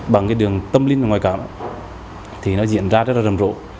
bằng cái đường tâm linh của ngoại cảm thì nó diễn ra rất là rầm rộ